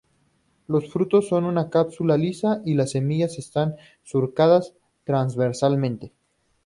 Los frutos son una cápsula lisa y las semillas están surcadas transversalmente.